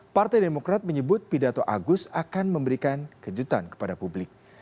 partai demokrat menyebut pidato agus akan memberikan kejutan kepada publik